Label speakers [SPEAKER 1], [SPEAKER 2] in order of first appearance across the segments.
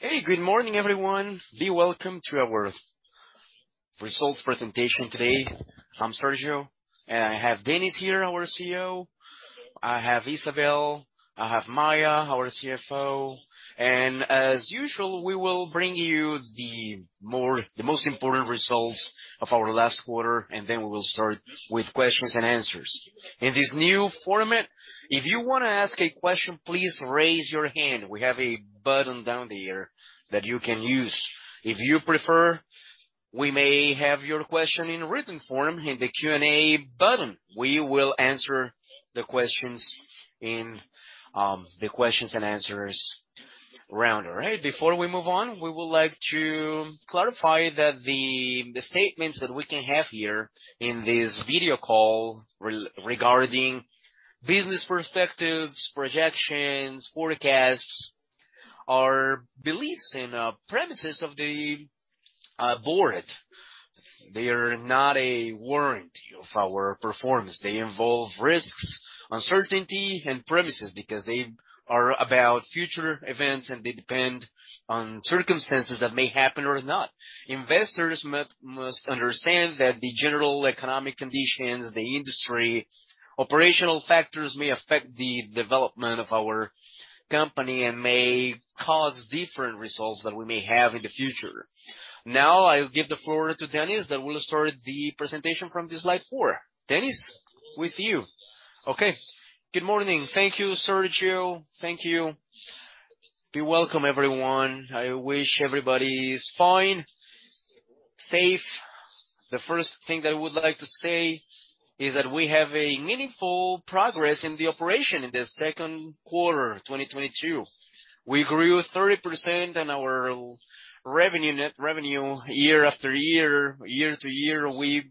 [SPEAKER 1] Hey, good morning, everyone. Be welcome to our results presentation today. I'm Sérgio, and I have Dennis here, our CEO. I have Izabel. I have Maia, our CFO. As usual, we will bring you the most important results of our last quarter, and then we will start with questions and answers. In this new format, if you wanna ask a question, please raise your hand. We have a button down there that you can use. If you prefer, we may have your question in written form in the Q&A button. We will answer the questions in the questions and answers round. All right. Before we move on, we would like to clarify that the statements that we can have here in this video call regarding business perspectives, projections, forecasts, are beliefs and premises of the board. They are not a warranty of our performance. They involve risks, uncertainty, and premises because they are about future events, and they depend on circumstances that may happen or not. Investors must understand that the general economic conditions, the industry, operational factors may affect the development of our company and may cause different results than we may have in the future. Now I'll give the floor to Dennis that will start the presentation from the slide four. Dennis, with you.
[SPEAKER 2] Okay. Good morning. Thank you, Sérgio. Thank you. Be welcome, everyone. I wish everybody is fine, safe. The first thing that I would like to say is that we have meaningful progress in the operation in the second quarter, 2022. We grew 30% in our revenue, net revenue year-over-year. Year-to-year, we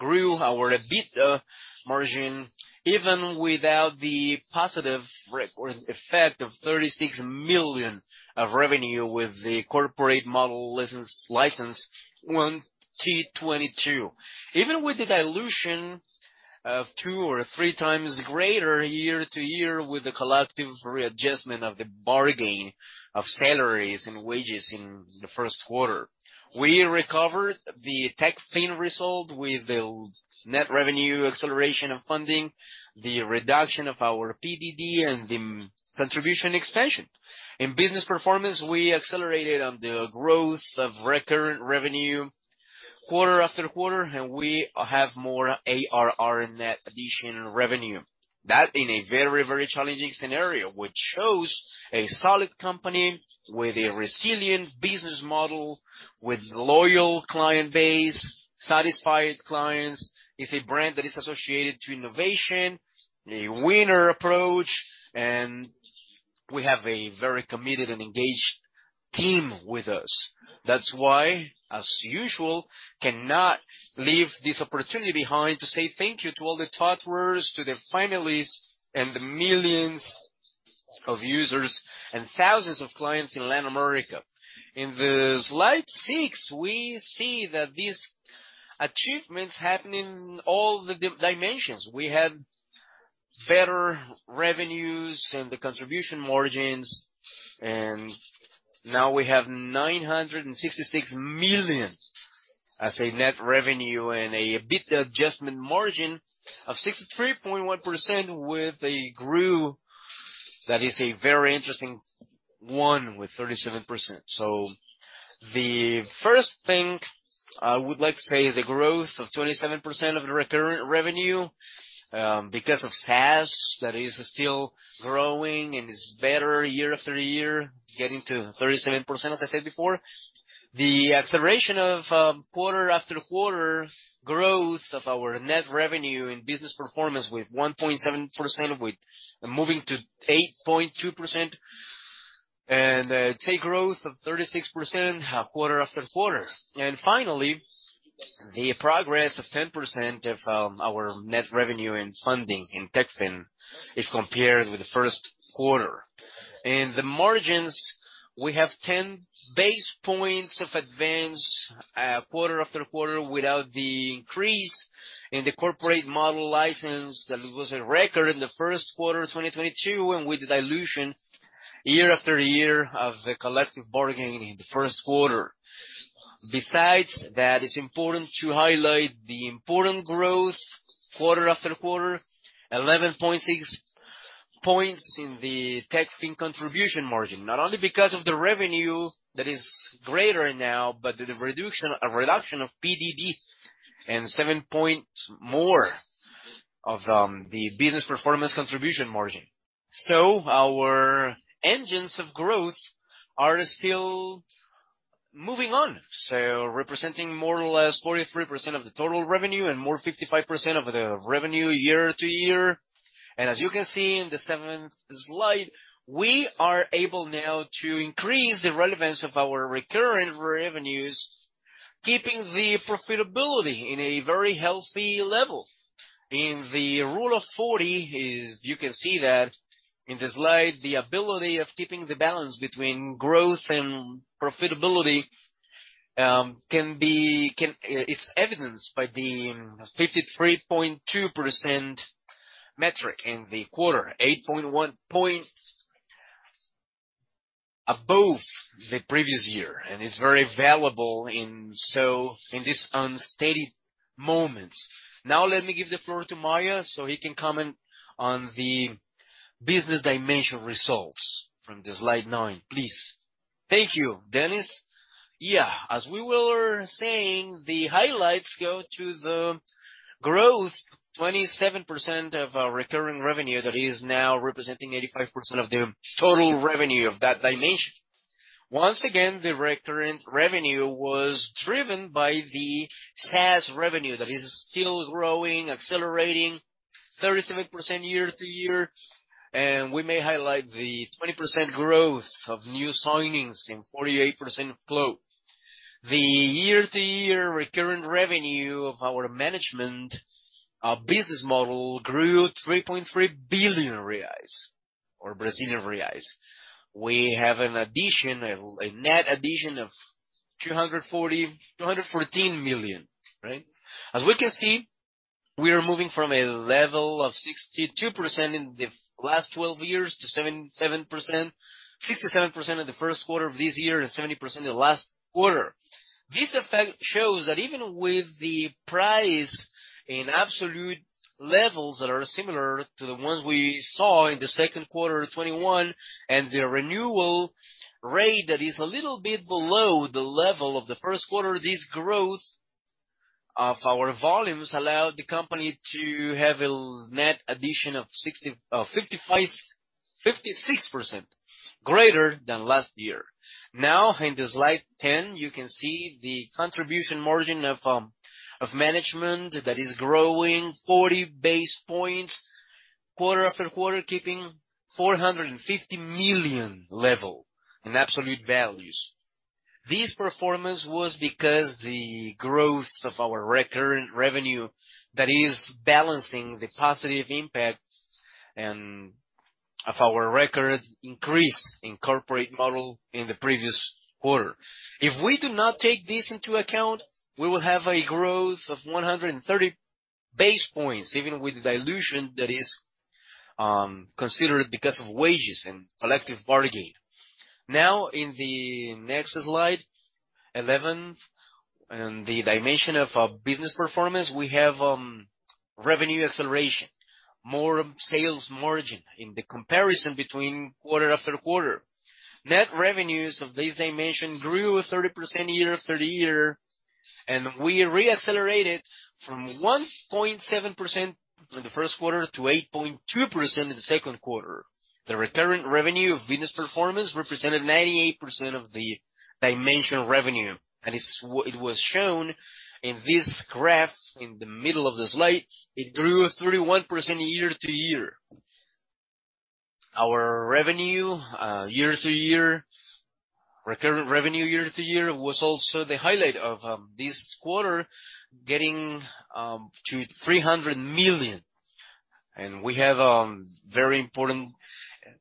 [SPEAKER 2] grew our EBITDA margin even without the positive recurring effect of 36 million of revenue with the corporate model license in 2022. Even with the dilution of two or 3x greater year-to-year with the collective readjustment of the bargaining of salaries and wages in the first quarter. We recovered the Techfin result with the net revenue acceleration of funding, the reduction of our PDD, and the contribution expansion. In business performance, we accelerated on the growth of recurrent revenue quarter after quarter, and we have more ARR net addition revenue. That, in a very, very challenging scenario, which shows a solid company with a resilient business model, with loyal client base, satisfied clients, is a brand that is associated to innovation, a winning approach, and we have a very committed and engaged team with us. That's why, as usual, cannot leave this opportunity behind to say thank you to all the TOTVERS, to the families, and the millions of users and thousands of clients in Latin America. In the slide six, we see that these achievements happen in all the dimensions. We had better revenues and the contribution margins, and now we have 966 million as a net revenue and adjusted EBITDA margin of 63.1% with a growth that is a very interesting one with 37%. The first thing I would like to say is the growth of 27% of the recurring revenue, because of SaaS that is still growing and is better year after year, getting to 37%, as I said before. The acceleration of quarter after quarter growth of our net revenue in business performance with 1.7%, moving to 8.2%. TIG growth of 36% quarter after quarter. Finally, the progress of 10% of our net revenue in funding in TechFin if compared with the first quarter. In the margins, we have 10 basis points of advance quarter after quarter without the increase in the corporate model license. That was a record in the first quarter, 2022, and with the dilution year after year of the collective bargaining in the first quarter. Besides that, it's important to highlight the important growth quarter after quarter, 11.6 points in the TechFin contribution margin. Not only because of the revenue that is greater now, but the reduction, a reduction of PDD and 7 points more of the business performance contribution margin. Our engines of growth are still moving on, representing more or less 43% of the total revenue and more 55% of the revenue year-over-year. As you can see in the seventh slide, we are able now to increase the relevance of our recurring revenues, keeping the profitability in a very healthy level. In the rule of forty, as you can see in the slide, the ability of keeping the balance between growth and profitability can be, it's evidenced by the 53.2% metric in the quarter, 8.1 points above the previous year, and it's very valuable in this unsteady moments. Now let me give the floor to Maia so he can comment on the business dimension results from the slide nine, please.
[SPEAKER 3] Thank you, Dennis. Yeah, as we were saying, the highlights go to the growth, 27% of our recurring revenue that is now representing 85% of the total revenue of that dimension. Once again, the recurrent revenue was driven by the SaaS revenue that is still growing, accelerating 37% year-to-year. We may highlight the 20% growth of new signings and 48% flow. The year-to-year recurring revenue of our management, our business model grew 3.3 billion reais, or Brazilian reais. We have a net addition of 214 million, right? As we can see, we are moving from a level of 62% in the last twelve months to 77%. 67% in the first quarter of this year and 70% in the last quarter. This effect shows that even with the price in absolute levels that are similar to the ones we saw in the second quarter of 2021, and the renewal rate that is a little bit below the level of the first quarter, this growth of our volumes allowed the company to have a net addition of 56% greater than last year. Now, in slide 10, you can see the contribution margin of management that is growing 40 basis points quarter after quarter, keeping 450 million level in absolute values. This performance was because the growth of our recurring revenue that is balancing the positive impacts of our record increase in corporate model in the previous quarter. If we do not take this into account, we will have a growth of 130 basis points, even with the dilution that is considered because of wages and collective bargaining. Now, in the next slide, 11th, in the dimension of our business performance, we have revenue acceleration, more sales margin in the comparison between quarter-over-quarter. Net revenues of this dimension grew 30% year-over-year, and we re-accelerated from 1.7% in the first quarter to 8.2% in the second quarter. The recurring revenue of business performance represented 98% of the dimension revenue, and it was shown in this graph in the middle of the slide. It grew 31% year-over-year. Our revenue year to year, recurring revenue year to year was also the highlight of this quarter, getting to 300 million. We have very important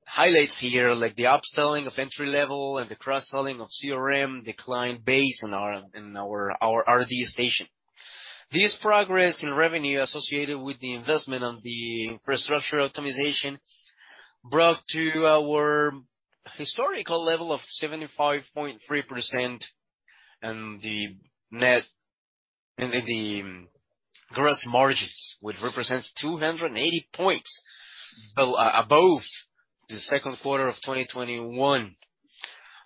[SPEAKER 3] highlights here, like the upselling of entry level and the cross-selling of CRM, the client base, and our RD Station. This progress in revenue associated with the investment on the infrastructure optimization brought to our historical level of 75.3% and the gross margins, which represents 280 points above the second quarter of 2021.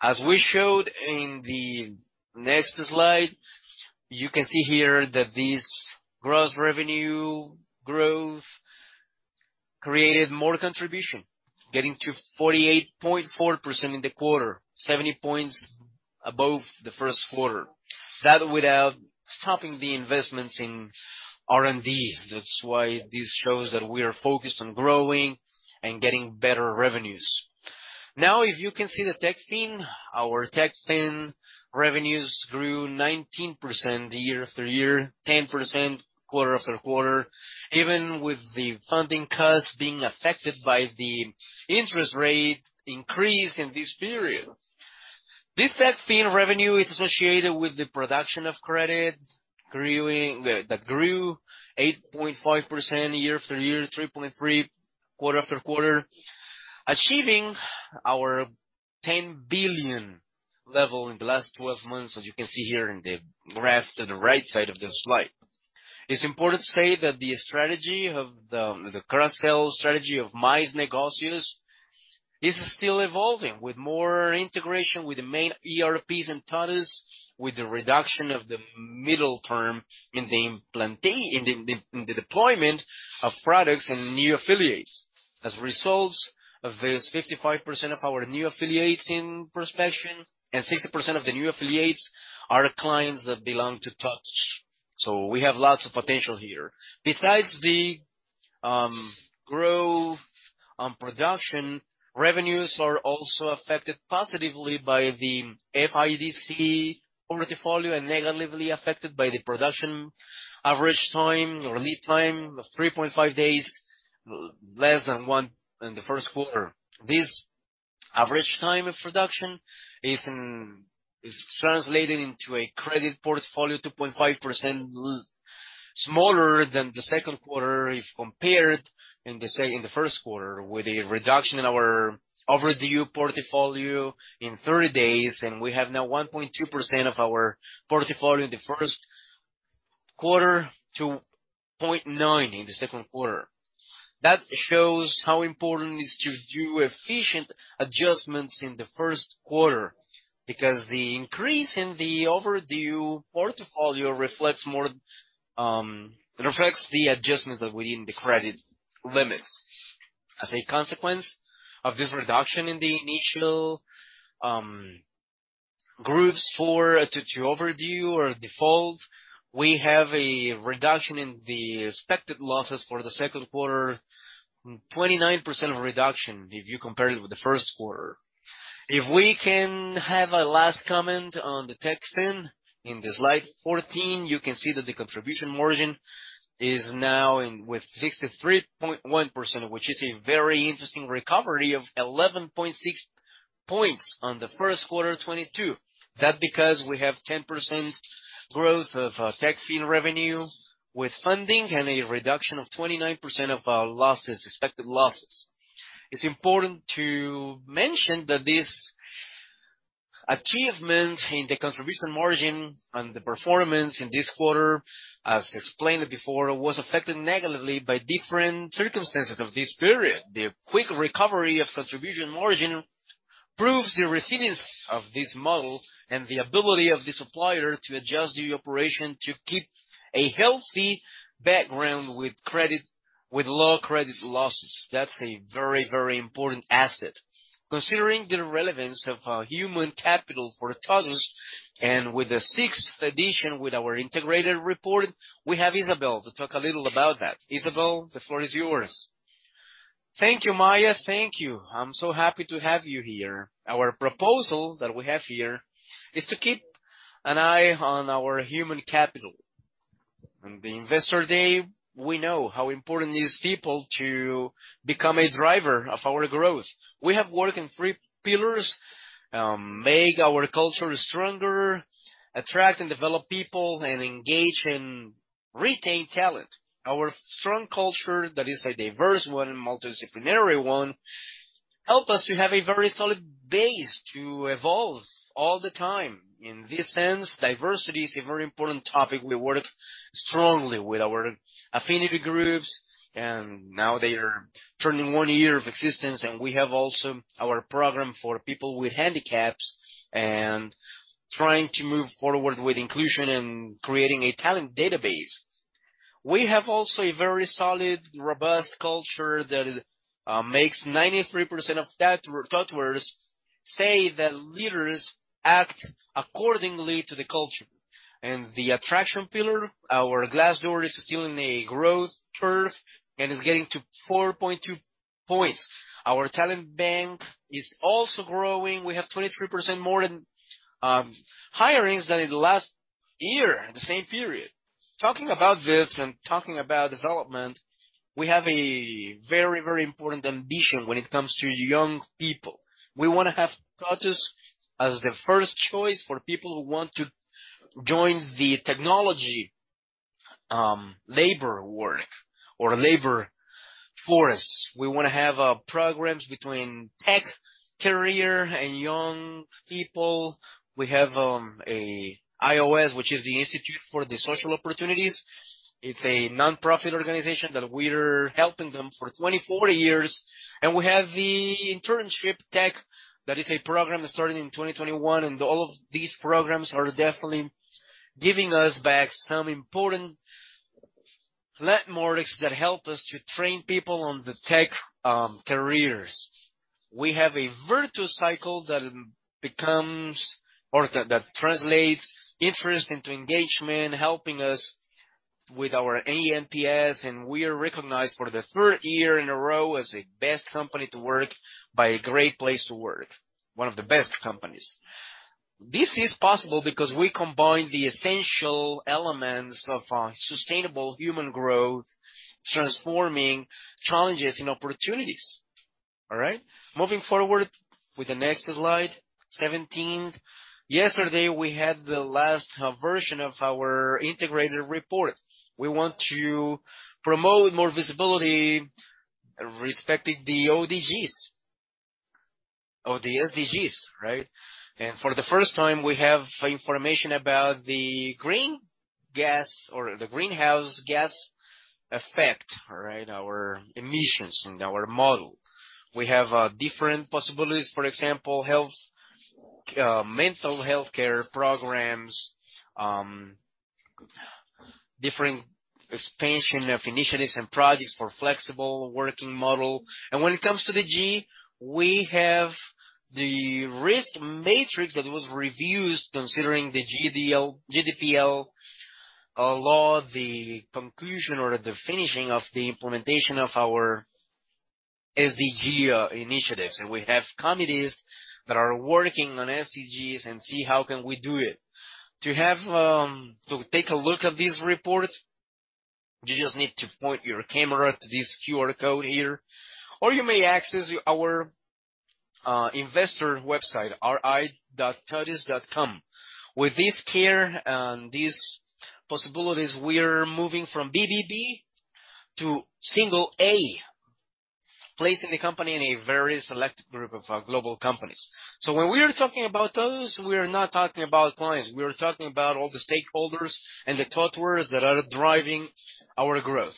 [SPEAKER 3] As we showed in the next slide, you can see here that this gross revenue growth created more contribution, getting to 48.4% in the quarter, 70 points above the first quarter. That without stopping the investments in R&D. That's why this shows that we are focused on growing and getting better revenues. Now, if you can see the Techfin, our Techfin revenues grew 19% year-over-year, 10% quarter-over-quarter, even with the funding costs being affected by the interest rate increase in this period. This Techfin revenue is associated with the production of credit growing that grew 8.5% year-over-year, 3.3% quarter-over-quarter. Achieving our 10 billion level in the last twelve months, as you can see here in the graph to the right side of the slide. It's important to say that the cross-sell strategy of Mais Negócios is still evolving with more integration with the main ERPs and partners, with the reduction of the middle term in the deployment of products and new affiliates. As a result of this, 55% of our new prospective affiliates and 60% of the new affiliates are clients that belong to us. We have lots of potential here. Besides the growth on production, revenues are also affected positively by the FIDC portfolio and negatively affected by the production average time or lead time of 3.5 days, less than one in the first quarter. The average time of reduction is translating into a credit portfolio 2.5% smaller than in the first quarter, with a reduction in our overdue portfolio in 30 days. We have now 1.2% of our portfolio in the first quarter to 0.9% in the second quarter. That shows how important it is to do efficient adjustments in the first quarter, because the increase in the overdue portfolio reflects more. It reflects the adjustments that we need in the credit limits. As a consequence of this reduction in the initial groups to overdue or default, we have a reduction in the expected losses for the second quarter. 29% reduction if you compare it with the first quarter. If we can have a last comment on the Techfin. In the slide 14, you can see that the contribution margin is now in with 63.1%, which is a very interesting recovery of 11.6 points on the first quarter 2022. That's because we have 10% growth of Techfin revenue with funding and a reduction of 29% of our losses, expected losses. It's important to mention that this achievement in the contribution margin and the performance in this quarter, as explained before, was affected negatively by different circumstances of this period. The quick recovery of contribution margin proves the resilience of this model and the ability of the supplier to adjust the operation to keep a healthy book with low credit losses. That's a very, very important asset. Considering the relevance of human capital for TOTVS, and with the sixth edition of our integrated report, we have Izabel to talk a little about that. Izabel, the floor is yours.
[SPEAKER 4] Thank you, Maia. Thank you. I'm so happy to have you here. Our proposal that we have here is to keep an eye on our human capital. In the Investor Day, we know how important these people to become a driver of our growth. We have worked in three pillars, make our culture stronger, attract and develop people, and engage and retain talent. Our strong culture, that is a diverse one and multidisciplinary one, help us to have a very solid base to evolve all the time. In this sense, diversity is a very important topic. We work strongly with our affinity groups, and now they are turning one year of existence. We have also our program for people with handicaps and trying to move forward with inclusion and creating a talent database. We have also a very solid, robust culture that makes 93% of TOTVERS say that leaders act accordingly to the culture. The attraction pillar, our Glassdoor, is still in a growth curve and is getting to 4.2 points. Our talent bank is also growing. We have 23% more than hirings than in the last year at the same period. Talking about this and talking about development, we have a very important ambition when it comes to young people. We wanna have TOTVS as the first choice for people who want to join the technology labor work or labor force. We wanna have programs between tech career and young people. We have a IOS, which is the Instituto de Oportunidade Social. It's a nonprofit organization that we're helping them for 24 years. We have the Internship Tech, that is a program that started in 2021. All of these programs are definitely giving us back some important landmarks that help us to train people on the tech careers. We have a virtuous cycle that translates interest into engagement, helping us with our eNPS. We are recognized for the third year in a row as the best company to work by Great Place to Work, one of the best companies. This is possible because we combine the essential elements of sustainable human growth, transforming challenges and opportunities. All right. Moving forward with the next slide, 17. Yesterday, we had the last version of our integrated report. We want to promote more visibility respecting the SDGs, right? For the first time, we have information about the greenhouse gas effect. Our emissions and our model. We have different possibilities, for example, health, mental health care programs, different expansion of initiatives and projects for flexible working model. When it comes to the G, we have the risk matrix that was reviewed considering the LGPD law, the conclusion or the finishing of the implementation of our SDGs initiatives. We have committees that are working on SDGs and see how can we do it. To take a look at this report. You just need to point your camera to this QR code here, or you may access our investor website, ri.totvs.com. With this care and these possibilities, we are moving from BBB to single A, placing the company in a very select group of global companies. When we are talking about those, we are not talking about clients. We are talking about all the stakeholders and the thought workers that are driving our growth.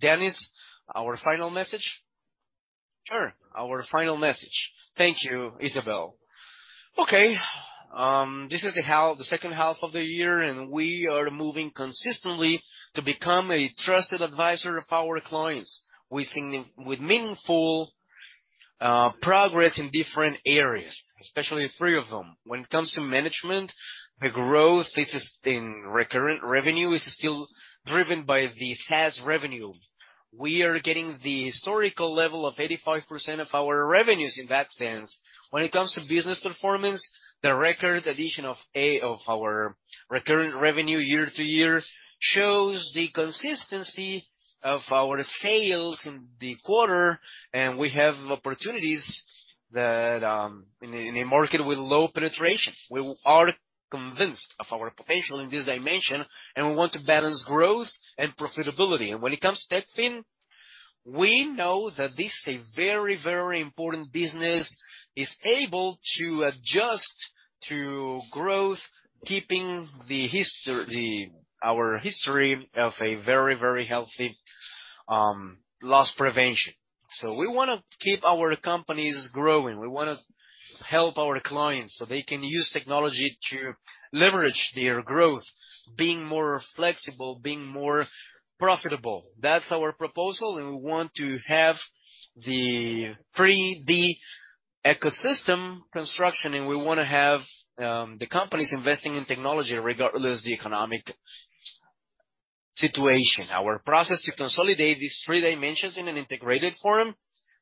[SPEAKER 4] Dennis, our final message?
[SPEAKER 2] Sure. Our final message. Thank you, Izabel. Okay, this is the second half of the year, and we are moving consistently to become a trusted advisor of our clients. We're seeing meaningful progress in different areas, especially three of them. When it comes to management, the growth in recurring revenue is still driven by the SaaS revenue. We are getting the historical level of 85% of our revenues in that sense. When it comes to business performance, the record addition of ARR of our recurring revenue year-over-year shows the consistency of our sales in the quarter, and we have opportunities that in a market with low penetration. We are convinced of our potential in this dimension, and we want to balance growth and profitability. When it comes to Techfin, we know that this is a very, very important business, is able to adjust to growth, keeping our history of a very, very healthy loss prevention. We wanna keep our companies growing. We wanna help our clients so they can use technology to leverage their growth, being more flexible, being more profitable. That's our proposal, and we want to have the 3D ecosystem construction, and we wanna have the companies investing in technology regardless the economic situation. Our process to consolidate these three dimensions in an integrated form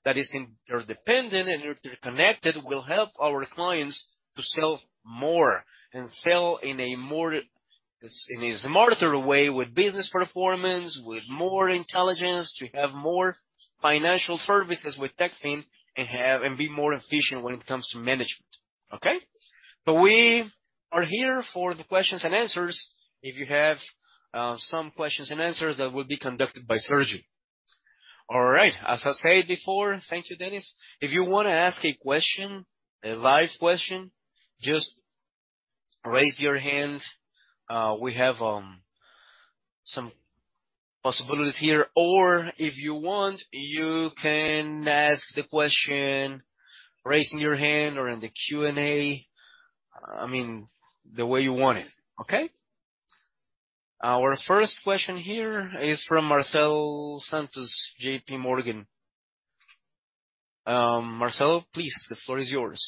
[SPEAKER 2] that is interdependent and interconnected will help our clients to sell more and sell in a smarter way with business performance, with more intelligence, to have more financial services with Techfin and be more efficient when it comes to management. Okay? We are here for the questions and answers. If you have some questions and answers, that will be conducted by Sérgio.
[SPEAKER 1] All right. As I said before, thank you, Dennis. If you wanna ask a question, a live question, just raise your hand. We have some possibilities here. Or if you want, you can ask the question, raising your hand or in the Q&A. I mean, the way you want it. Okay? Our first question here is from Marcelo Santos, JPMorgan. Marcelo, please, the floor is yours.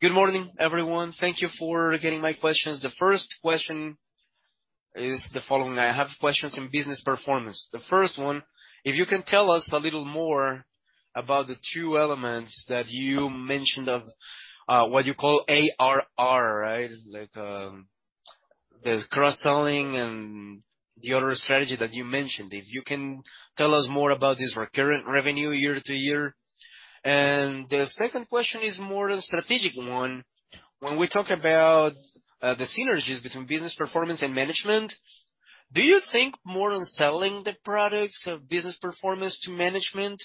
[SPEAKER 5] Good morning, everyone. Thank you for taking my questions. The first question is the following: I have a question on business performance. The first one, if you can tell us a little more about the two elements that you mentioned of what you call ARR, right? Like, the cross-selling and the other strategy that you mentioned. If you can tell us more about this recurring revenue year to year. The second question is more a strategic one. When we talk about the synergies between business performance and management, do you think more on selling the products of business performance to management?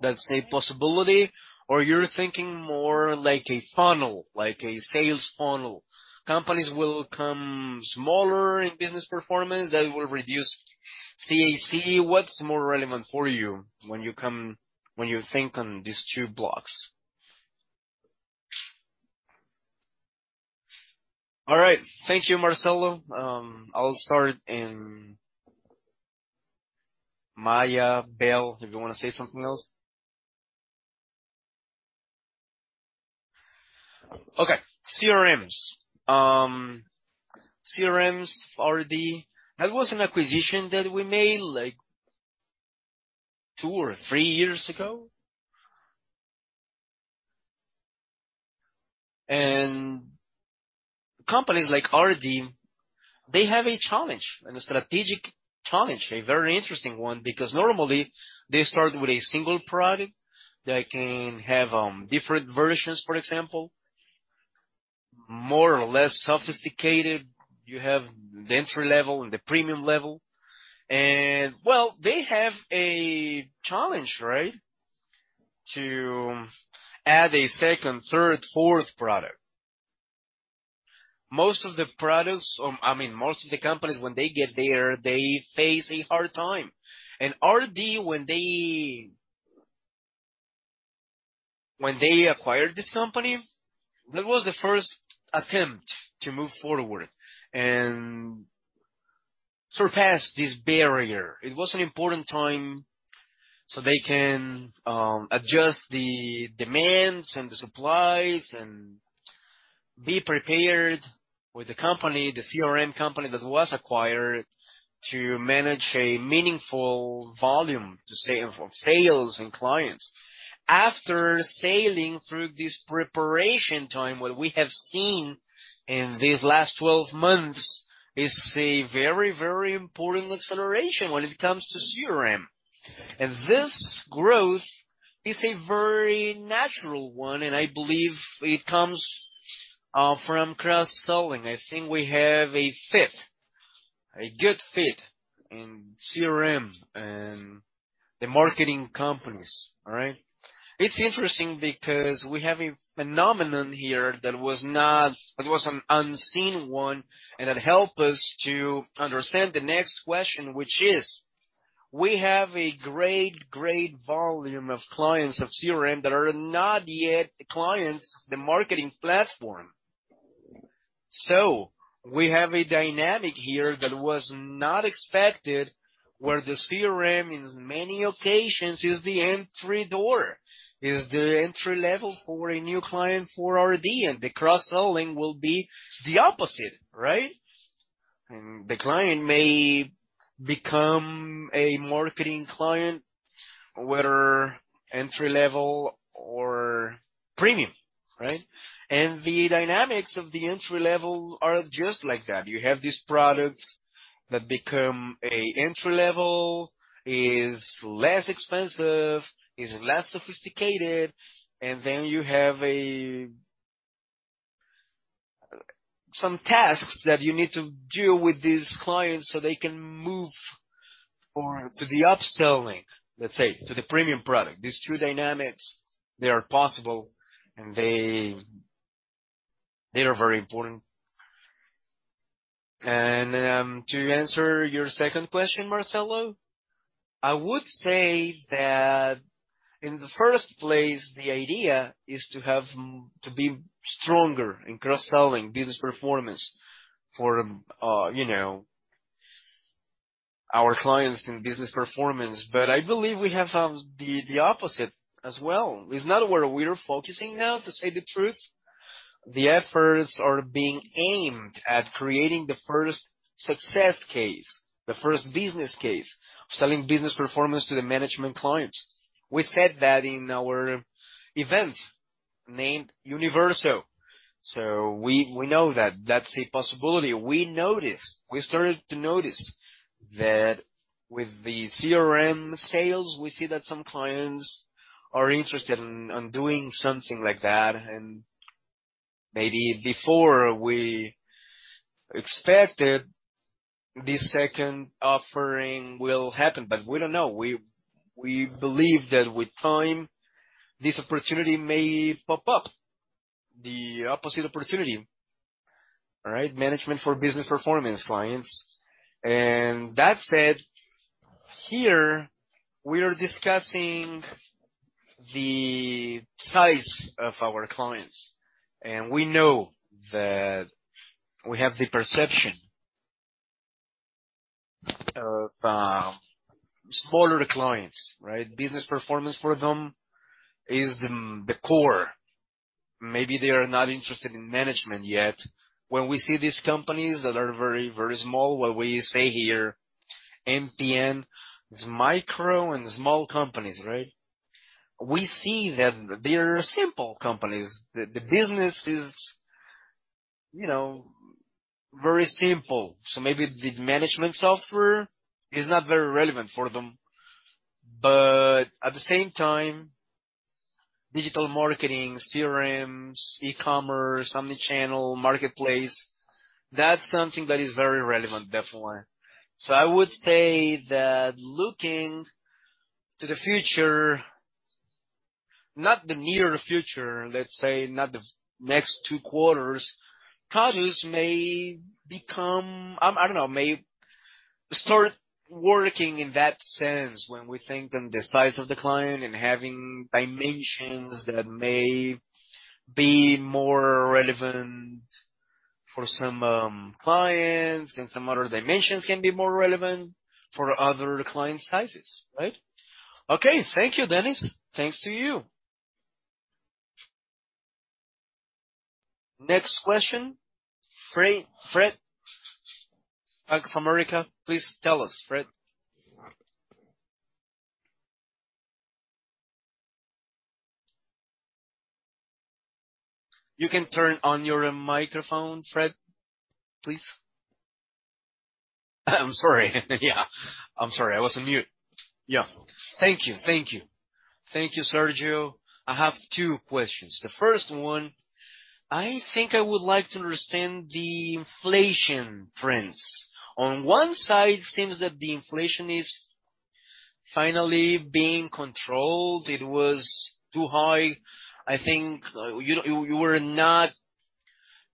[SPEAKER 5] That's a possibility. Or you're thinking more like a funnel, like a sales funnel. Companies will come in smaller in business performance. That will reduce CAC. What's more relevant for you when you think on these two blocks?
[SPEAKER 2] All right. Thank you, Marcelo. I'll start. Maia, Bel, if you wanna say something else. Okay. CRMs. CRMs, RD, that was an acquisition that we made, like two or three years ago. Companies like RD, they have a challenge and a strategic challenge, a very interesting one, because normally they start with a single product that can have different versions, for example, more or less sophisticated. You have the entry level and the premium level. Well, they have a challenge, right, to add a second, third, fourth product. Most of the products, I mean, most of the companies, when they get there, they face a hard time. RD, when they acquired this company, that was the first attempt to move forward and surpass this barrier. It was an important time so they can adjust the demands and the supplies and be prepared with the company, the CRM company that was acquired to manage a meaningful volume of sales and clients. After sailing through this preparation time, what we have seen in these last 12 months is a very, very important acceleration when it comes to CRM. This growth is a very natural one, and I believe it comes from cross-selling. I think we have a fit, a good fit in CRM and the marketing companies. All right? It's interesting because we have a phenomenon here that was an unseen one, and that helped us to understand the next question, which is, we have a great great volume of clients of CRM that are not yet clients, the marketing platform. We have a dynamic here that was not expected, where the CRM, in many occasions, is the entry door, is the entry-level for a new client for RD, and the cross-selling will be the opposite, right? The client may become a marketing client, whether entry-level or premium, right? The dynamics of the entry-level are just like that. You have these products that become a entry-level, is less expensive, is less sophisticated, and then you have some tasks that you need to deal with these clients so they can move forward to the upselling, let's say, to the premium product. These two dynamics, they are possible, and they are very important. To answer your second question, Marcelo, I would say that in the first place, the idea is to be stronger in cross-selling business performance for, you know, our clients in business performance. But I believe we have the opposite as well. It's not where we're focusing now, to say the truth. The efforts are being aimed at creating the first success case, the first business case, selling business performance to the management clients. We said that in our event named Universo. We know that that's a possibility. We started to notice that with the CRM sales, we see that some clients are interested in doing something like that. And maybe before we expected, this second offering will happen, but we don't know. We believe that with time, this opportunity may pop up, the opposite opportunity. All right? Management for business performance clients. That said, here we are discussing the size of our clients, and we know that we have the perception of smaller clients, right? Business performance for them is the core. Maybe they are not interested in management yet. When we see these companies that are very, very small, what we say here, MPE, is micro and small companies, right? We see that they are simple companies. The business is, you know, very simple. Maybe the management software is not very relevant for them. At the same time, digital marketing, CRMs, e-commerce, omni-channel, marketplace, that's something that is very relevant, definitely. I would say that looking to the future, not the near future, let's say not the next two quarters, TOTVS may become, I don't know, may start working in that sense when we think in the size of the client and having dimensions that may be more relevant for some clients and some other dimensions can be more relevant for other client sizes. Right?
[SPEAKER 5] Okay. Thank you, Dennis. Thanks to you.
[SPEAKER 1] Next question, Fred from Bank of America. Please tell us, Fred. You can turn on your microphone, Fred, please.
[SPEAKER 6] I'm sorry. Yeah. I'm sorry. I was on mute. Yeah. Thank you, Sérgio. I have two questions. The first one, I think I would like to understand the inflation trends. On one side, it seems that the inflation is finally being controlled. It was too high. I think you were not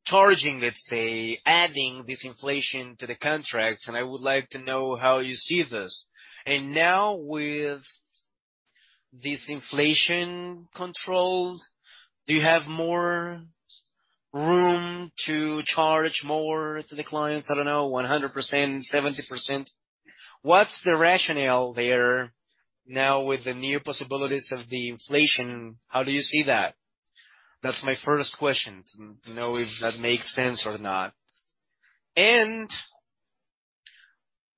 [SPEAKER 6] charging, let's say, adding this inflation to the contracts, and I would like to know how you see this. Now with this inflation controlled, do you have more room to charge more to the clients? I don't know, 100%, 70%. What's the rationale there now with the new possibilities of the inflation? How do you see that? That's my first question, to know if that makes sense or not.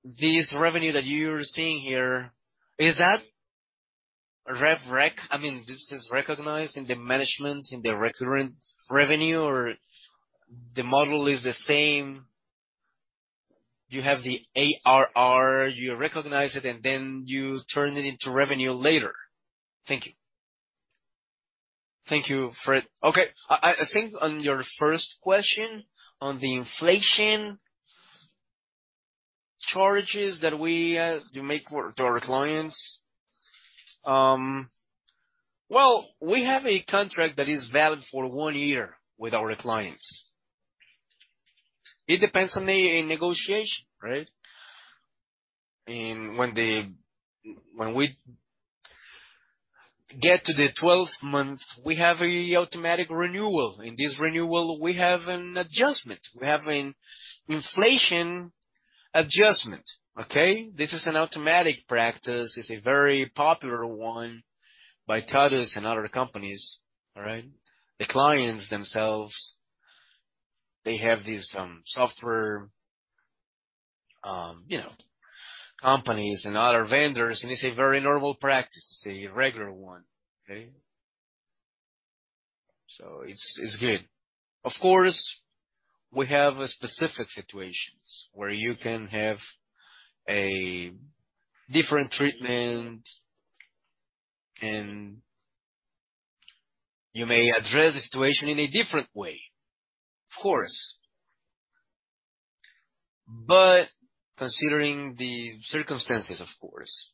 [SPEAKER 6] This revenue that you're seeing here, is that rev rec? I mean, this is recognized in the management, in the recurring revenue or the model is the same. You have the ARR, you recognize it, and then you turn it into revenue later. Thank you.
[SPEAKER 2] Thank you, Fred. Okay. I think on your first question on the inflation charges that we make with our clients. Well, we have a contract that is valid for one year with our clients. It depends on the negotiation, right? When we get to the 12 months, we have an automatic renewal. In this renewal, we have an adjustment. We have an inflation adjustment. Okay? This is an automatic practice. It's a very popular one by TOTVS and other companies. All right? The clients themselves, they have this, software, you know, companies and other vendors, and it's a very normal practice. It's a regular one. Okay? It's good. Of course, we have specific situations where you can have a different treatment and you may address the situation in a different way, of course. Considering the circumstances, of course.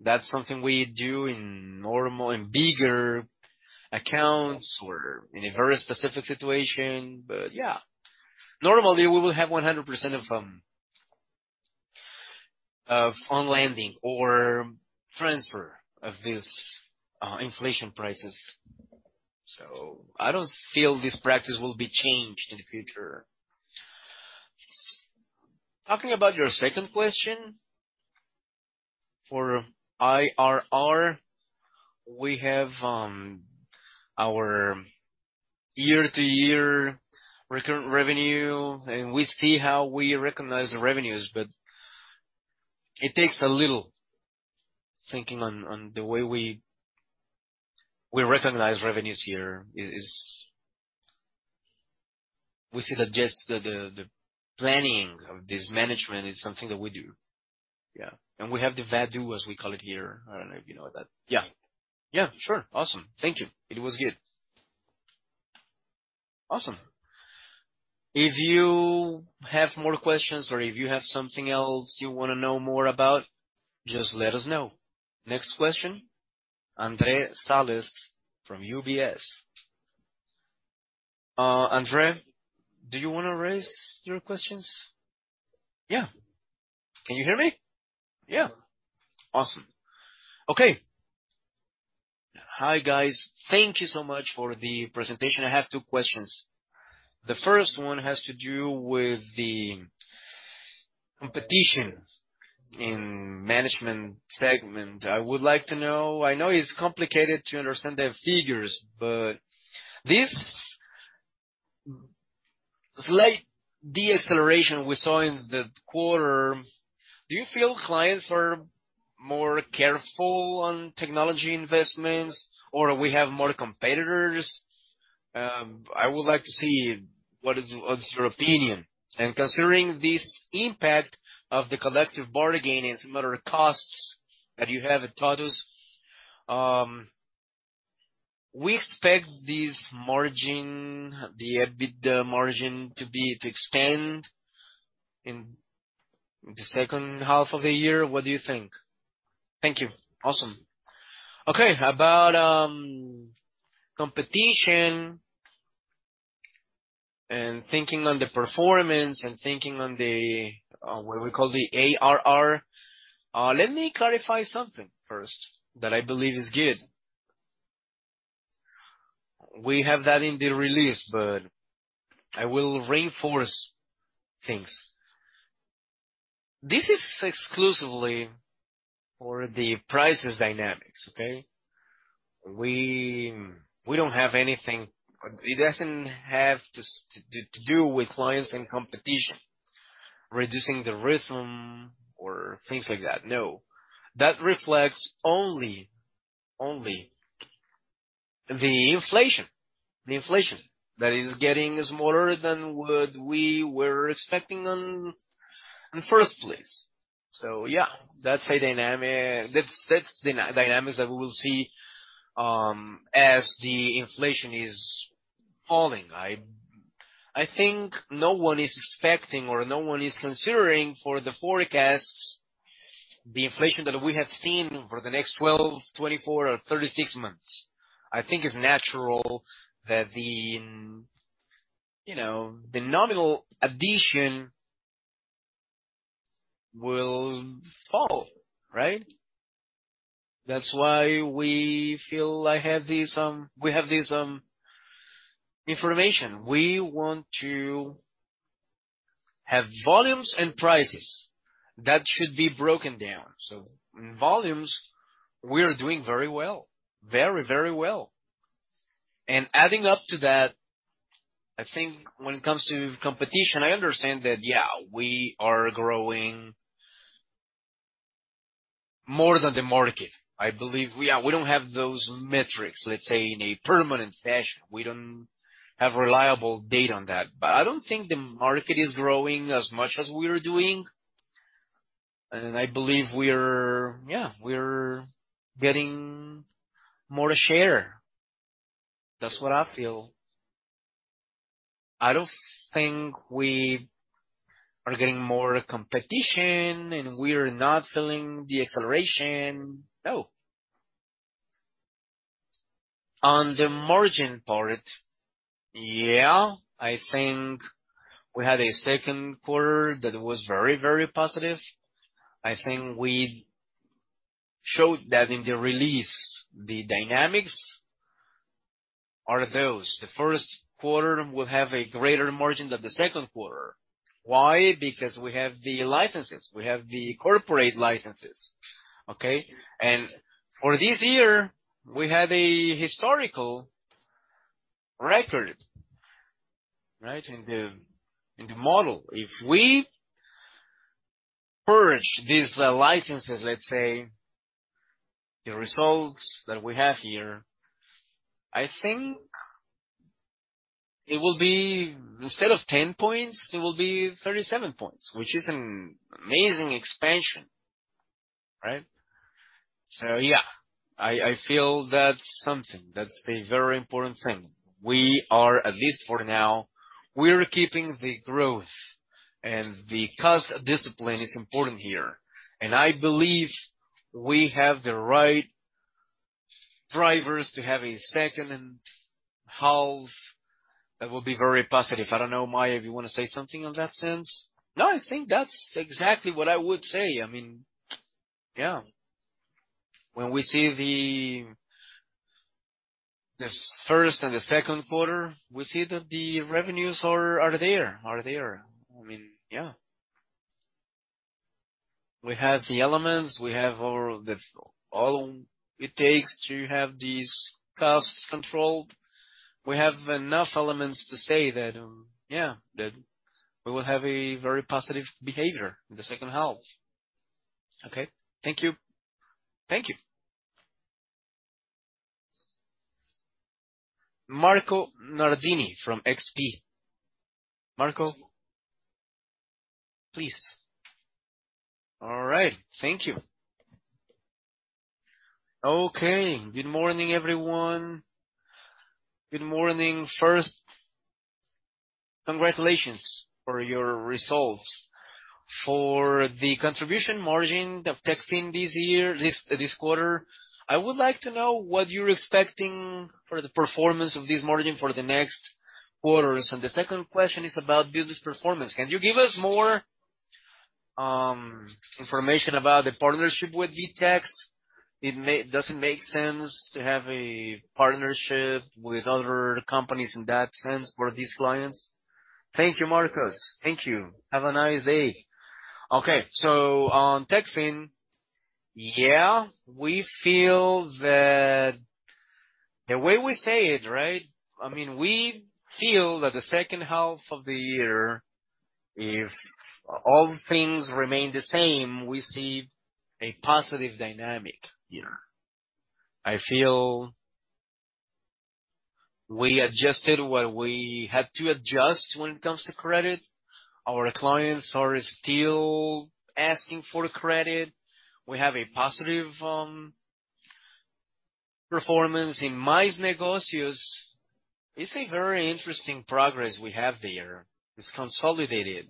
[SPEAKER 2] That's something we do in normal and bigger accounts or in a very specific situation. Yeah, normally we will have 100% of on lending or transfer of this inflation prices. I don't feel this practice will be changed in the future. Talking about your second question for IRR, we have our year-over-year recurring revenue, and we see how we recognize the revenues, but it takes a little thinking on the way we recognize revenues here. We see that just the planning of this management is something that we do. Yeah. We have the value, as we call it here. I don't know if you know that.
[SPEAKER 6] Yeah. Yeah. Sure. Awesome. Thank you. It was good.
[SPEAKER 1] Awesome. If you have more questions or if you have something else you wanna know more about, just let us know. Next question, André Salles from UBS. André, do you wanna raise your questions?
[SPEAKER 7] Yeah. Can you hear me?
[SPEAKER 1] Yeah.
[SPEAKER 7] Awesome. Okay. Hi, guys. Thank you so much for the presentation. I have two questions. The first one has to do with the competition in management segment. I would like to know. I know it's complicated to understand the figures, but this slight deceleration we saw in the quarter, do you feel clients are more careful on technology investments, or we have more competitors? I would like to see what is your opinion. Considering this impact of the collective bargaining and similar costs that you have at TOTVS, we expect this margin, the EBITDA margin to be, to expand in the second half of the year. What do you think? Thank you.
[SPEAKER 2] Awesome. Okay. About competition and thinking on the performance and thinking on the what we call the ARR, let me clarify something first that I believe is good. We have that in the release, but I will reinforce things. This is exclusively for the prices dynamics. Okay? We don't have anything. It doesn't have to do with clients and competition. Reducing the rhythm or things like that, no. That reflects only the inflation, the inflation that is getting smaller than what we were expecting in the first place. So, yeah, that's a dynamic. That's dynamics that we will see as the inflation is falling. I think no one is expecting or no one is considering for the forecasts, the inflation that we have seen for the next 12, 24 or 36 months. I think it's natural that the, you know, the nominal addition will fall, right? That's why we feel we have this information. We want to have volumes and prices that should be broken down. In volumes we're doing very well. Very well. Adding up to that, I think when it comes to competition, I understand that, yeah, we are growing more than the market. I believe we are. We don't have those metrics, let's say, in a permanent fashion. We don't have reliable data on that. I don't think the market is growing as much as we're doing. I believe we're, yeah, we're getting more share. That's what I feel. I don't think we are getting more competition, and we're not feeling the acceleration. No. On the margin part, yeah, I think we had a second quarter that was very, very positive. I think we showed that in the release. The dynamics are those. The first quarter will have a greater margin than the second quarter. Why? Because we have the licenses, we have the corporate licenses, okay? For this year, we had a historical record, right? In the model. If we purge these licenses, let's say, the results that we have here, I think it will be instead of 10 points, it will be 37 points, which is an amazing expansion, right? Yeah, I feel that's something. That's a very important thing. At least for now, we're keeping the growth. The cost discipline is important here. I believe we have the right drivers to have a second half that will be very positive. I don't know, Maia, if you want to say something in that sense.
[SPEAKER 3] No, I think that's exactly what I would say. I mean, yeah. When we see the first and second quarter, we see that the revenues are there. I mean, yeah. We have the elements. We have all it takes to have these costs controlled. We have enough elements to say that, yeah, that we will have a very positive behavior in the second half.
[SPEAKER 7] Okay. Thank you.
[SPEAKER 1] Thank you. Marco Nardini from XP. Marco, please.
[SPEAKER 8] All right. Thank you. Okay. Good morning, everyone. Good morning. First, congratulations for your results. For the contribution margin of Techfin this quarter, I would like to know what you're expecting for the performance of this margin for the next quarters. The second question is about business performance. Can you give us more information about the partnership with VTEX? Does it make sense to have a partnership with other companies in that sense for these clients?
[SPEAKER 2] Thank you, Marco. Thank you. Have a nice day. Okay. On Techfin, yeah, we feel that the way we say it, right, I mean, we feel that the second half of the year, if all things remain the same, we see a positive dynamic here. I feel we adjusted what we had to adjust when it comes to credit. Our clients are still asking for credit. We have a positive performance in Mais Negócios. It's a very interesting progress we have there. It's consolidated,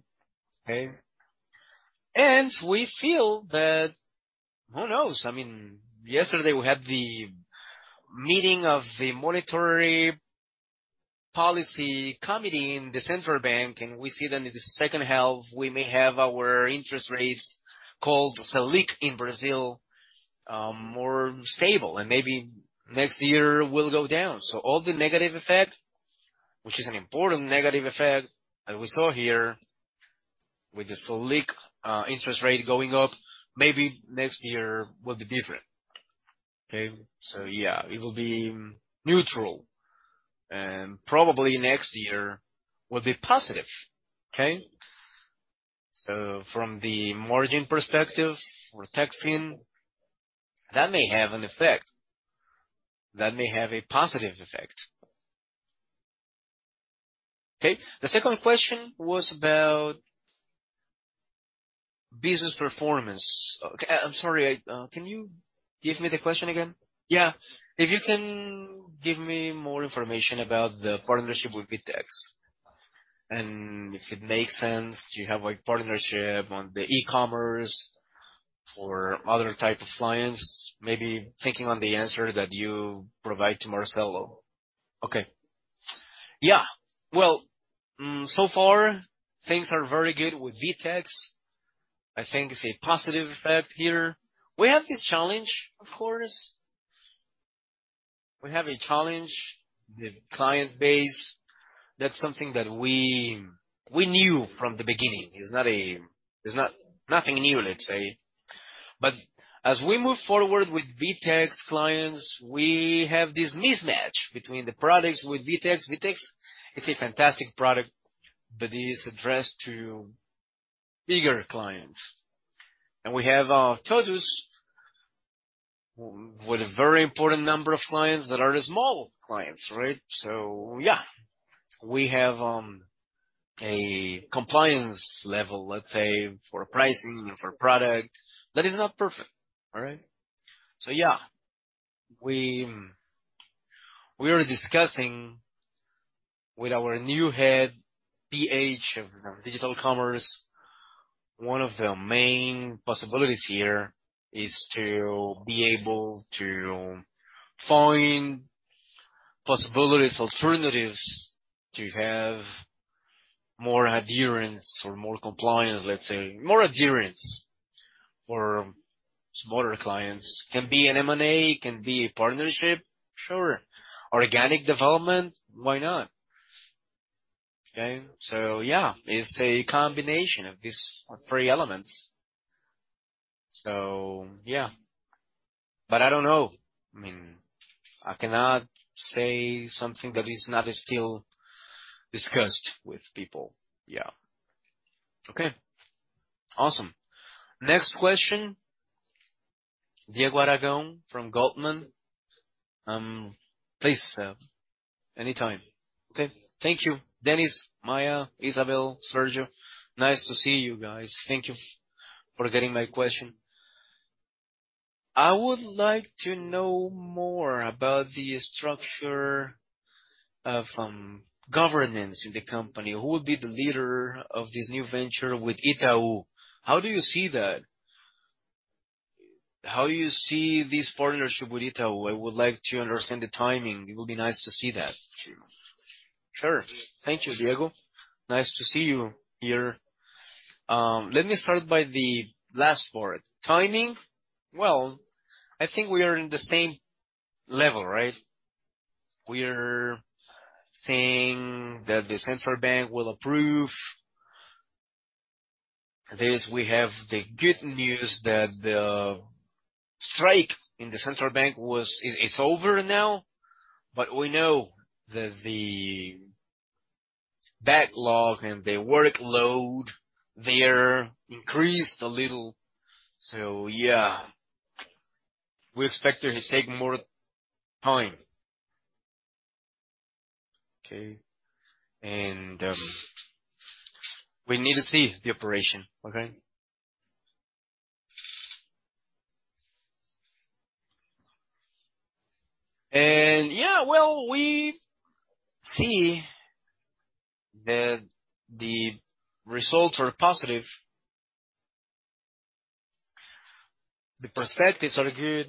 [SPEAKER 2] okay? We feel that, who knows? I mean, yesterday we had the meeting of the Monetary Policy Committee in the Central Bank, and we see that in the second half we may have our interest rates, called Selic in Brazil, more stable. Maybe next year will go down. All the negative effect, which is an important negative effect that we saw here with the Selic interest rate going up, maybe next year will be different. Okay? Yeah, it will be neutral, and probably next year will be positive. Okay? From the margin perspective for Techfin, that may have an effect. That may have a positive effect. Okay. The second question was about business performance. Okay. I'm sorry, can you give me the question again?
[SPEAKER 8] Yeah. If you can give me more information about the partnership with VTEX. If it makes sense to have a partnership on the e-commerce for other type of clients, maybe thinking on the answer that you provide to Marcelo.
[SPEAKER 2] Okay. Yeah. Well, so far things are very good with VTEX. I think it's a positive effect here. We have this challenge, of course. We have a challenge with client base. That's something that we knew from the beginning. There's nothing new, let's say. As we move forward with VTEX clients, we have this mismatch between the products with VTEX. VTEX is a fantastic product, but is addressed to bigger clients. We have our TOTVERS with a very important number of clients that are the small clients, right? Yeah, we have a compliance level, let's say, for pricing and for product that is not perfect. All right. Yeah, we are discussing with our new head, PH of Digital Commerce. One of the main possibilities here is to be able to find possibilities, alternatives to have more adherence or more compliance, let's say, more adherence for smaller clients. Can be an M&A, can be a partnership, sure. Organic development, why not? Okay. Yeah, it's a combination of these three elements. Yeah. But I don't know. I mean, I cannot say something that is not still discussed with people. Yeah.
[SPEAKER 8] Okay.
[SPEAKER 1] Awesome. Next question, Diego Aragão from Goldman. Please sir, anytime.
[SPEAKER 9] Okay. Thank you. Dennis, Maya, Isabel, Sérgio, nice to see you guys. Thank you for getting my question. I would like to know more about the structure from governance in the company. Who will be the leader of this new venture with Itaú? How do you see that? How you see this partnership with Itaú? I would like to understand the timing. It will be nice to see that.
[SPEAKER 2] Sure. Thank you, Diego. Nice to see you here. Let me start by the last part. Timing, well, I think we are in the same level, right? We're saying that the central bank will approve this. We have the good news that the strike in the central bank is over now, but we know that the backlog and the workload there increased a little. Yeah. We expect it to take more time. Okay. We need to see the operation. Okay. Yeah. Well, we see that the results are positive. The perspectives are good.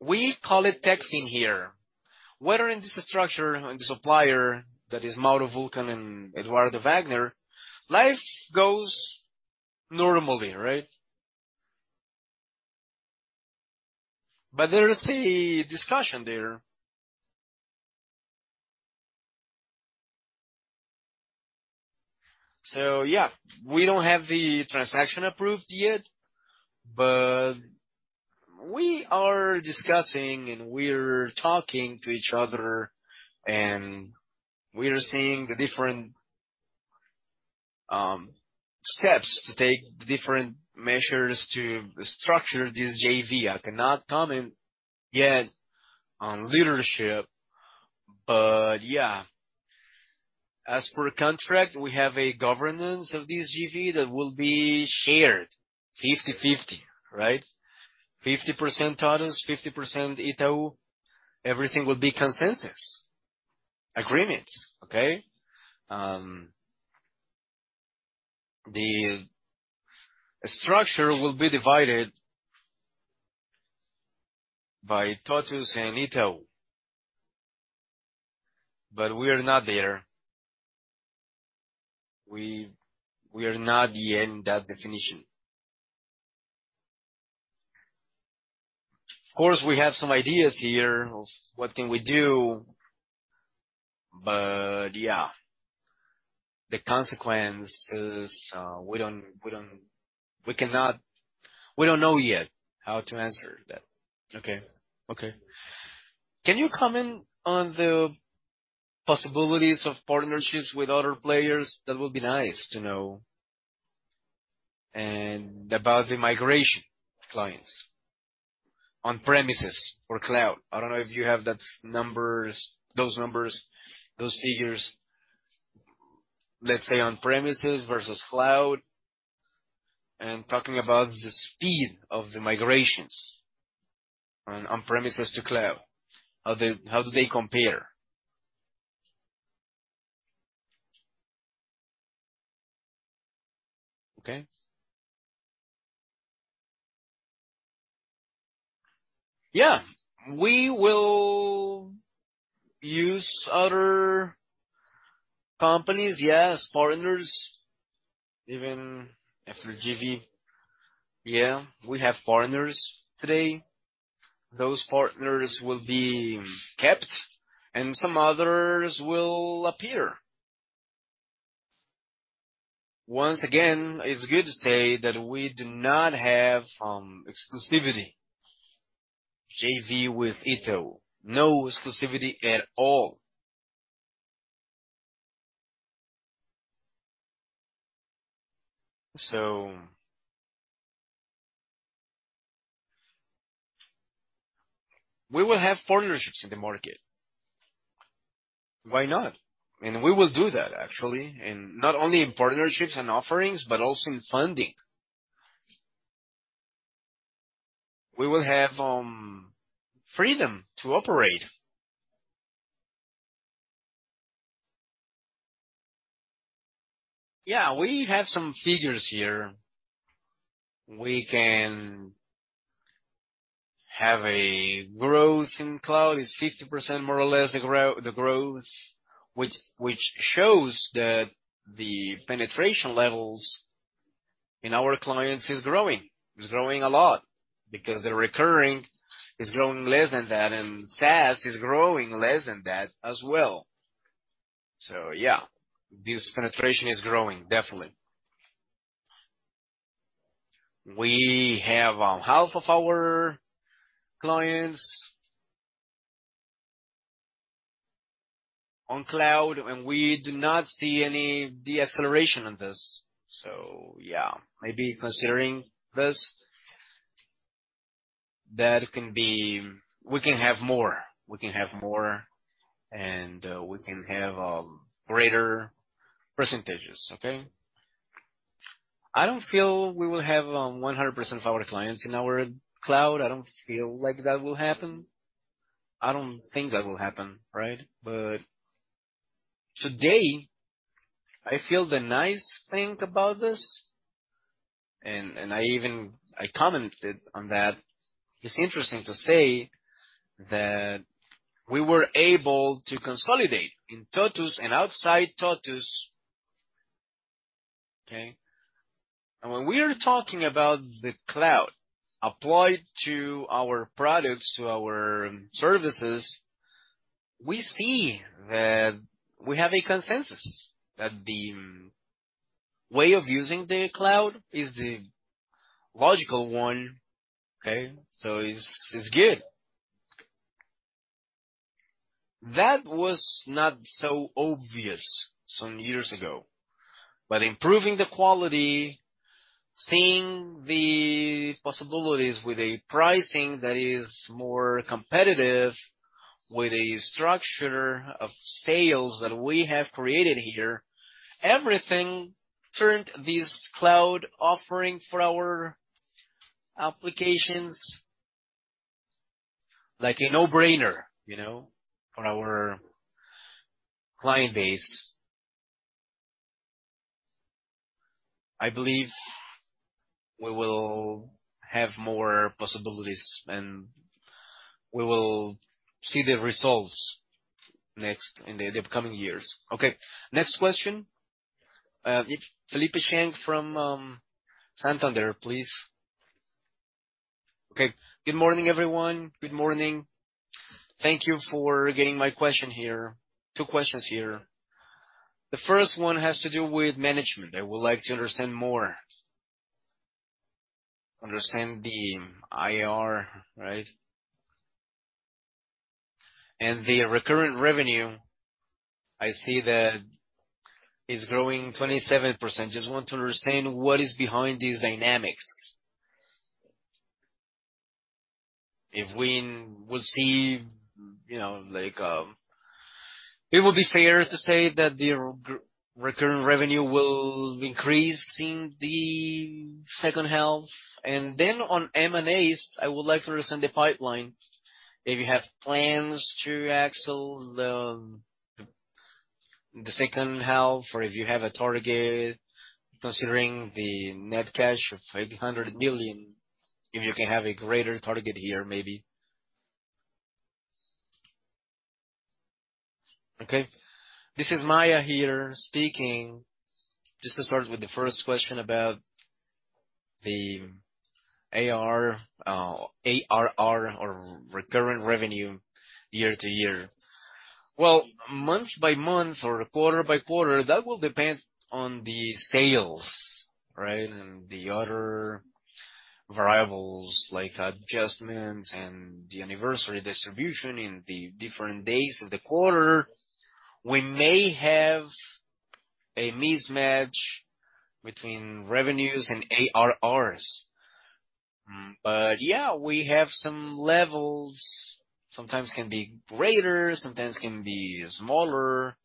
[SPEAKER 2] We call it Techfin here. With this structure and the Supplier, that is Mauro Wulkan and Eduardo Wagner, life goes on normally, right? There is a discussion there. We don't have the transaction approved yet, but we are discussing, and we're talking to each other, and we are seeing the different steps to take, different measures to structure this JV. I cannot comment yet on leadership. As per contract, we have a governance of this JV that will be shared 50/50, right? 50% TOTVS, 50% Itaú. Everything will be consensus, agreements, okay? The structure will be divided by TOTVS and Itaú. We are not there. We are not yet in that definition. Of course, we have some ideas here of what can we do. The consequences, we don't know yet how to answer that. Okay.
[SPEAKER 9] Okay. Can you comment on the possibilities of partnerships with other players? That would be nice to know. About the migration of clients on premises or cloud. I don't know if you have those figures, let's say on premises versus cloud. Talking about the speed of the migrations on premises to cloud, how do they compare?
[SPEAKER 2] Okay. Yeah. We will use other companies, yes, partners, even after JV. Yeah, we have partners today. Those partners will be kept, and some others will appear. Once again, it's good to say that we do not have exclusivity. JV with Itaú, no exclusivity at all. We will have partnerships in the market. Why not? We will do that actually, and not only in partnerships and offerings, but also in funding. We will have freedom to operate. Yeah, we have some figures here. We can have a growth in cloud. It's 50% more or less the growth, which shows that the penetration levels in our clients is growing. It's growing a lot because the recurring is growing less than that, and SaaS is growing less than that as well. Yeah, this penetration is growing, definitely. We have half of our clients on cloud, and we do not see any deceleration on this, yeah. Maybe considering this, we can have more. We can have more, and we can have greater percentages. Okay? I don't feel we will have 100% of our clients in our cloud. I don't feel like that will happen. I don't think that will happen, right? Today, I feel the nice thing about this, and I even commented on that. It's interesting to say that we were able to consolidate in TOTVS and outside TOTVS. Okay. When we are talking about the cloud applied to our products, to our services, we see that we have a consensus, that the way of using the cloud is the logical one. Okay. It's good. That was not so obvious some years ago. Improving the quality, seeing the possibilities with a pricing that is more competitive, with a structure of sales that we have created here, everything turned this cloud offering for our applications like a no-brainer, you know, for our client base. I believe we will have more possibilities, and we will see the results in the coming years.
[SPEAKER 1] Okay. Next question. Felipe Chiarello from Santander, please.
[SPEAKER 10] Okay. Good morning, everyone. Good morning. Thank you for getting my question here. Two questions here. The first one has to do with management. I would like to understand more. Understand the IR, right? And the recurring revenue, I see that it's growing 27%. Just want to understand what is behind these dynamics. If we will see, you know, like, it would be fair to say that the recurring revenue will increase in the second half. And then on M&As, I would like to understand the pipeline. If you have plans to invest in the second half or if you have a target considering the net cash of 500 million, if you can have a greater target here, maybe.
[SPEAKER 3] Okay. This is Maia here speaking. Just to start with the first question about the ARR or recurring revenue year-over-year. Well, month-by-month or quarter-by-quarter, that will depend on the sales, right? The other variables like adjustments and the anniversary distribution in the different days of the quarter. We may have a mismatch between revenues and ARRs. Yeah, we have some levels. Sometimes can be greater, sometimes can be smaller.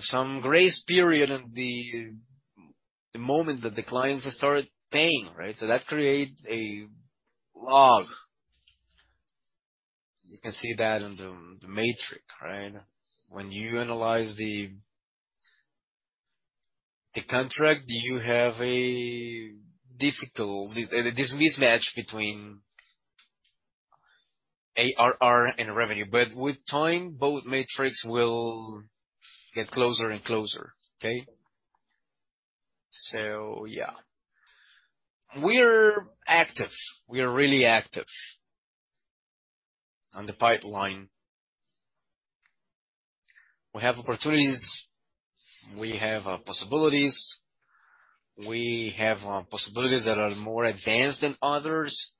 [SPEAKER 3] Some grace period in the moment that the clients start paying, right? That create a lag. You can see that on the matrix, right? When you analyze the contract, you have this mismatch between ARR and revenue. With time, both metrics will get closer and closer. Okay? Yeah. We're active. We are really active on the pipeline. We have opportunities, we have possibilities. We have possibilities that are more advanced than others.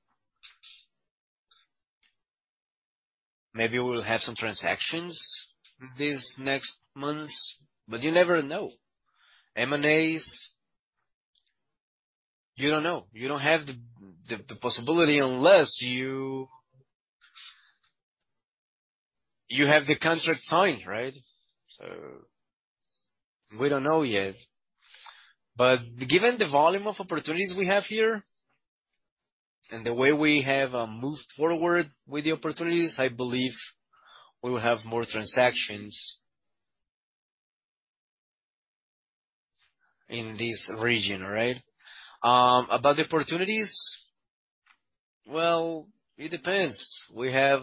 [SPEAKER 3] Maybe we'll have some transactions these next months, but you never know. M&As, you don't know. You don't have the possibility unless you have the contract signed, right? We don't know yet. Given the volume of opportunities we have here and the way we have moved forward with the opportunities, I believe we will have more transactions in this region, right? About the opportunities, well, it depends. We have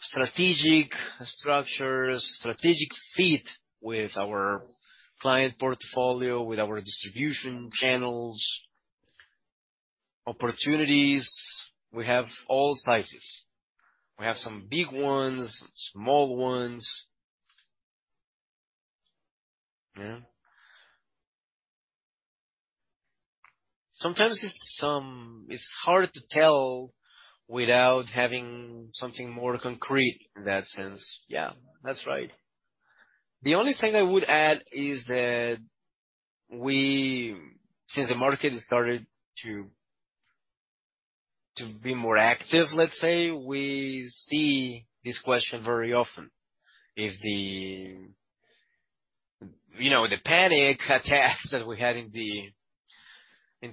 [SPEAKER 3] strategic structures, strategic fit with our client portfolio, with our distribution channels. Opportunities, we have all sizes. We have some big ones, small ones. Yeah. Sometimes it's hard to tell without having something more concrete in that sense. Yeah, that's right. The only thing I would add is that since the market has started to be more active, let's say, we see this question very often. If the, you know, the panic attacks that we had in the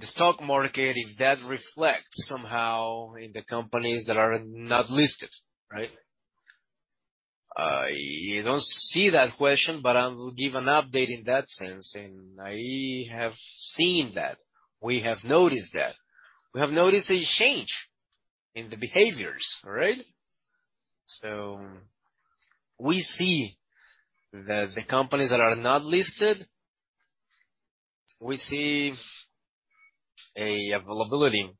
[SPEAKER 3] stock market, if that reflects somehow in the companies that are not listed, right? You don't see that question, but I will give an update in that sense. I have seen that. We have noticed that. We have noticed a change in the behaviors, all right? We see that the companies that are not listed, we see availability.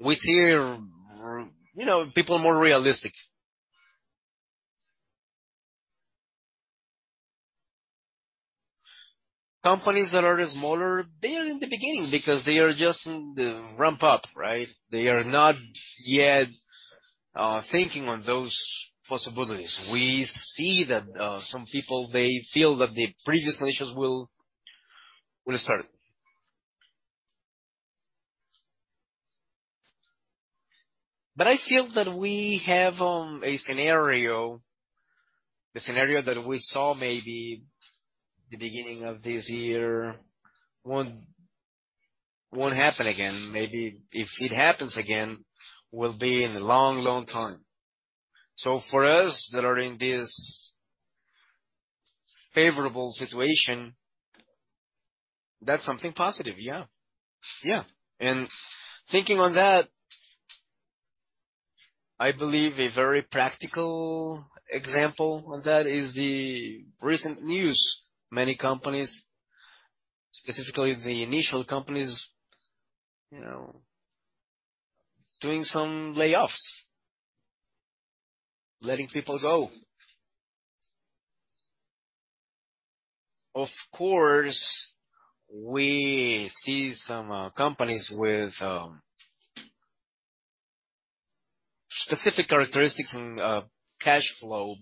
[SPEAKER 3] We see, you know, people are more realistic. Companies that are smaller, they are in the beginning because they are just in the ramp up, right? They are not yet thinking on those possibilities. We see that some people, they feel that the previous measures will start. I feel that we have a scenario. The scenario that we saw maybe the beginning of this year won't happen again. Maybe if it happens again, will be in a long, long time. For us that are in this favorable situation, that's something positive. Yeah. Yeah. Thinking on that, I believe a very practical example of that is the recent news. Many companies, specifically the initial companies, you know, doing some layoffs, letting people go. Of course, we see some companies with specific characteristics in cash flow.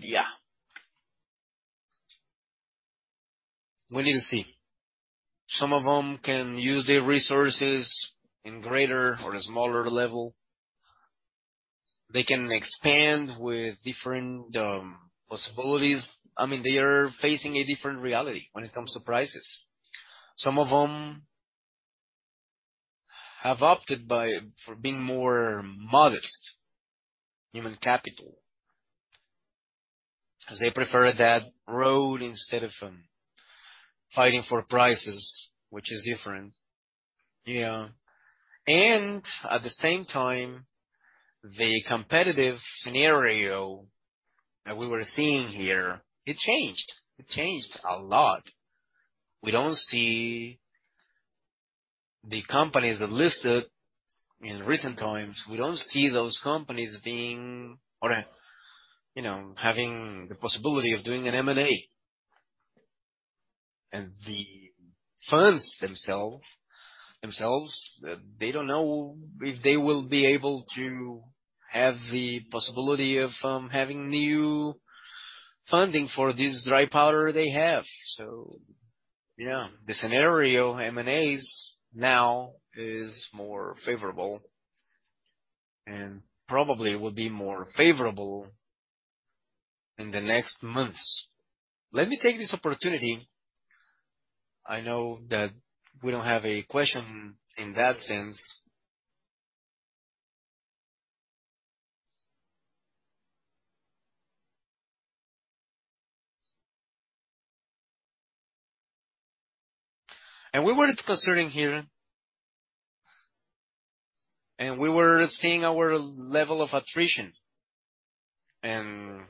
[SPEAKER 3] Yeah. We need to see. Some of them can use their resources in greater or smaller level. They can expand with different possibilities. I mean, they are facing a different reality when it comes to prices. Some of them have opted for being more modest human capital. As they prefer that road instead of fighting for prices, which is different. Yeah. At the same time, the competitive scenario that we were seeing here, it changed. It changed a lot. We don't see the companies that listed in recent times. We don't see those companies being or, you know, having the possibility of doing an M&A. The firms themselves don't know if they will be able to have the possibility of having new funding for this dry powder they have. Yeah, the M&A scenario now is more favorable and probably will be more favorable in the next months. Let me take this opportunity. I know that we don't have a question in that sense. We were seeing our level of attrition and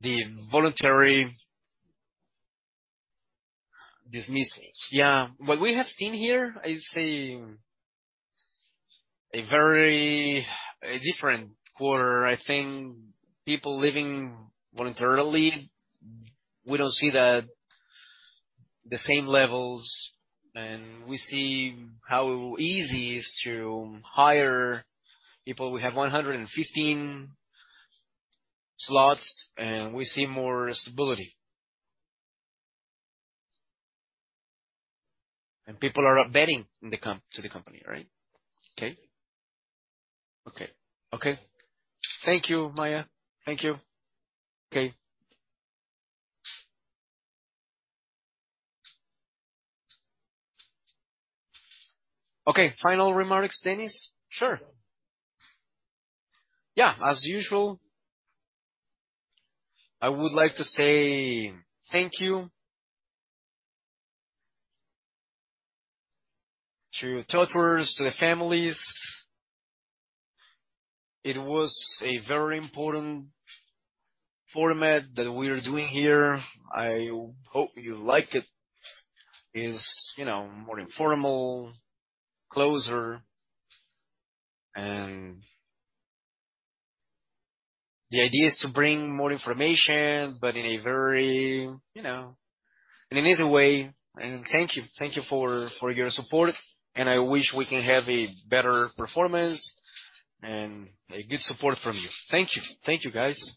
[SPEAKER 3] the voluntary dismissals. Yeah. What we have seen here is a very different quarter. I think people leaving voluntarily, we don't see that the same levels, and we see how easy it is to hire people. We have 115 slots, and we see more stability. People are betting on the company, right. Okay.
[SPEAKER 10] Okay. Thank you, Maia.
[SPEAKER 3] Thank you.
[SPEAKER 1] Okay, final remarks, Dennis?
[SPEAKER 2] Sure. Yeah. As usual, I would like to say thank you to TOTVERS, to the families. It was a very important format that we are doing here. I hope you like it. It's, you know, more informal, closer, and the idea is to bring more information, but in a very, you know, in an easy way. Thank you. Thank you for your support, and I wish we can have a better performance and a good support from you. Thank you. Thank you, guys.